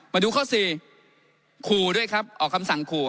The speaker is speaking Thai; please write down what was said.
มาดูข้อสี่ขู่ด้วยครับออกคำสั่งขู่